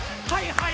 はい！